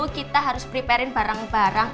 kita harus prepare in barang barang